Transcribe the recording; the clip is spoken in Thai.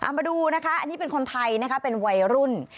มาดูนะคะอันนี้เป็นคนไทยนะคะเป็นวัยรุ่น